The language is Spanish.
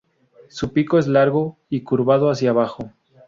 Su pico es largo y curvado hacia abajo.